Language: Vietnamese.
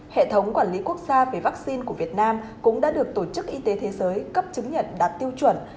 hệ thống quản lý quốc gia về vaccine của việt nam cũng đã được tổ chức y tế thế giới cấp chứng nhận đạt tiêu chuẩn